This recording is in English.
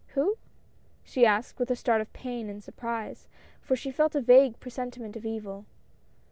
" Who," she asked, with a start of pain and surprise, for she felt a vague presentiment of evil.